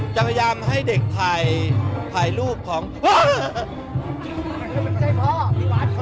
จะพยายามให้เด็กถ่ายรูปของไทย